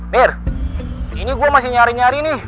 nir ini gue masih nyari nyari nih